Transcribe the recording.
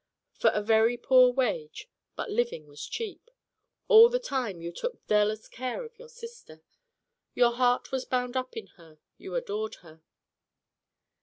For a very poor wage, but living was cheap. All the time you took zealous care of your sister. Your heart was bound up in her you adored her.